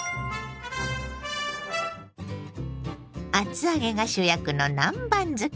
厚揚げが主役の南蛮漬け。